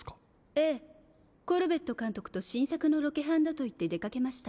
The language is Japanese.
ええコルベットかんとくとしんさくのロケハンだといってでかけました。